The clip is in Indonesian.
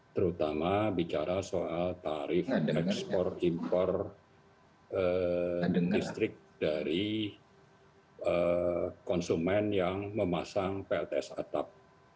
terutama bicara soal tarif ekspor impor listrik dari konsumen yang memasang plts atap